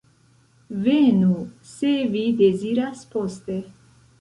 Venu, se vi deziras, poste.